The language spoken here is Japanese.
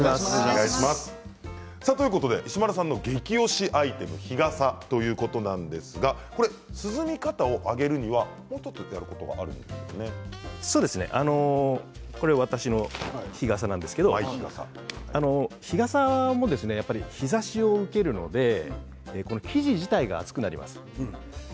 石丸さんの激推しアイテム日傘ということなんですが涼み方を上げるにはやることがこれ私の日傘なんですけど日傘も日ざしを受けるので生地自体が熱くなります。